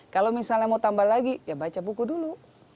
kalau misalnya mau tambah lagi ya baca buku dulu